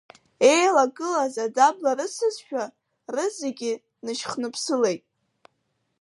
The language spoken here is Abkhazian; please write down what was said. Еилагылаз адабла рысызшәа рызегьы нышьхныԥсылеит.